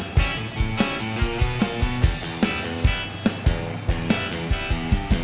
kamu kayak lagi galau gitu